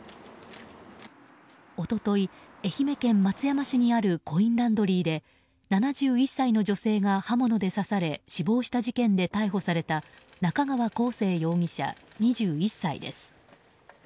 一昨日、愛媛県松山市にあるコインランドリーで７１歳の女性が刃物で刺され死亡した事件で逮捕された中川晃成容疑者、２１歳です。